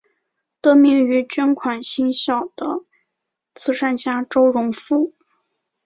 得名于捐款兴校的慈善家周荣富。